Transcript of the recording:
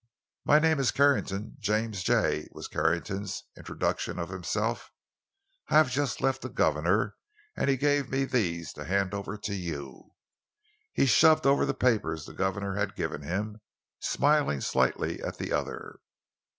"My name is Carrington—James J.," was Carrington's introduction of himself. "I have just left the governor, and he gave me these, to hand over to you." He shoved over the papers the governor had given him, smiling slightly at the other.